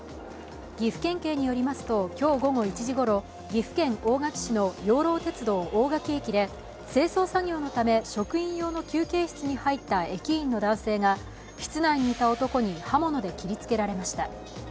岐阜県警によりますと今日午後１時ごろ、岐阜県大垣市の養老鉄道・大垣駅で清掃作業のため職員用の休憩室に入った駅員の男性が室内にいた男に刃物で切りつけられました。